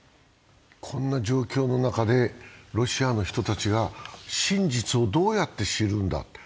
こんな状況の中でロシアの人たちが真実をどうやって知るんだ。